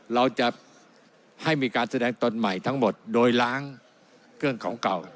เราจะให้มีการแสดงตนใหม่ทั้งหมดโดยล้างเครื่องของเก่า